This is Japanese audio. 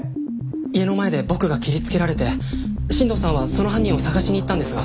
家の前で僕が切りつけられて新藤さんはその犯人を捜しに行ったんですが。